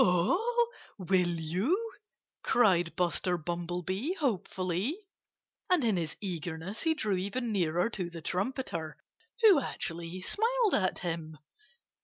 "Oh! Will you?" cried Buster Bumblebee hopefully. And in his eagerness he drew even nearer to the trumpeter, who actually smiled at him.